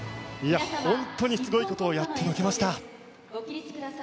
本当にすごいことをやってのけました。